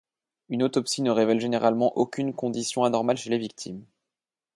Une autopsie ne révèle généralement aucune condition anormale chez les victimes.